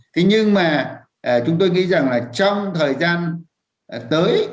thế nhưng mà chúng tôi nghĩ rằng là trong thời gian tới